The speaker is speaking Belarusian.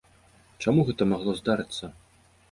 Чаму гэта магло здарыцца?